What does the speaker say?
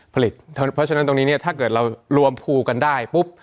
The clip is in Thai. เพราะฉะนั้นตรงนี้เนี่ยถ้าเกิดเรารวมภูกันได้ปุ๊บ